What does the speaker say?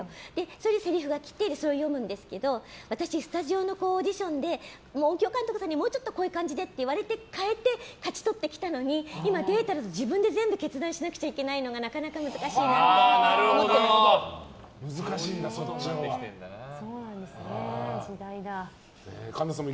それでせりふが来て読むんですけど私、スタジオのオーディションで音響監督さんにもうちょっとこういう感じでって言われて変えて勝ち取ってきたのに今はデータで自分で全部決断しなくちゃいけないのが時代だ。